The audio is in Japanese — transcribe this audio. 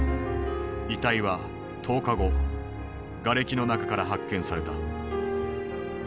遺体は１０日後がれきの中から発見された。